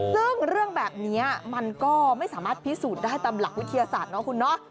ซึ่งเรื่องแบบนี้มันก็ไม่สามารถพิสูจน์ได้ตามหลักวิทยาศาสตร์เนาะคุณเนาะ